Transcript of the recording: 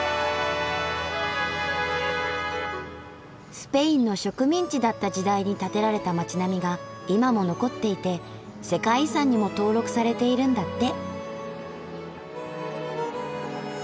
スペインの植民地だった時代に建てられた街並みが今も残っていて世界遺産にも登録されているんだって。